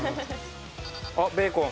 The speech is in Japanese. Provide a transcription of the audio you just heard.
あっベーコン。